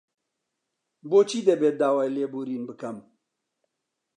بۆچی دەبێت داوای لێبوورین بکەم؟